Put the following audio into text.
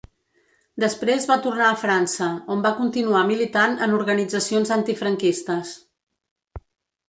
Després va tornar a França, on va continuar militant en organitzacions antifranquistes.